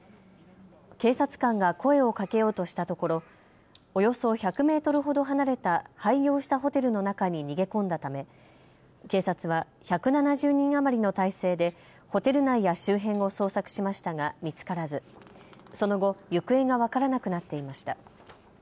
警察官が声をかけようとしたところおよそ１００メートルほど離れた廃業したホテルの中に逃げ込んだため警察は１７０人余りの態勢でホテル内や周辺を捜索しましたが見つからずその後、行方が分からなくなっていました。